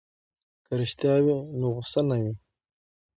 که رښتیا وي نو غصه نه وي.